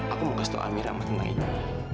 aku mau kasih tau amira sama temennya